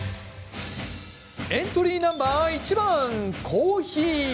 エントリーナンバー１番コーヒー。